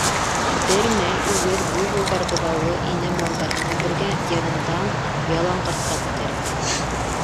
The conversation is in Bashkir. Бер мәл үгеҙ буйволдар быҙаулы инә малдар менән бергә йырындан яланғыртҡа күтәрелде.